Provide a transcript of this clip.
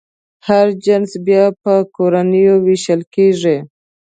هر جنس بیا په کورنیو وېشل کېږي.